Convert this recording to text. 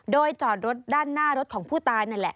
โดยจอดรถด้านหน้ารถของผู้ตายนั่นแหละ